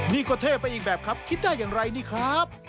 นี่ก็เท่ไปอีกแบบครับคิดได้อย่างไรนี่ครับ